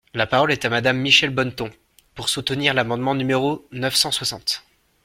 La parole est à Madame Michèle Bonneton, pour soutenir l’amendement numéro neuf cent soixante.